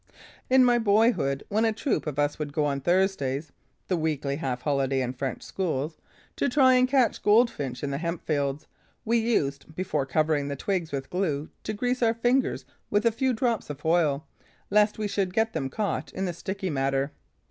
In my boyhood, when a troop of us would go, on Thursdays, to try and catch a Goldfinch in the hemp fields, we used, before covering the twigs with glue, to grease our fingers with a few drops of oil, lest we should get them caught in the sticky matter.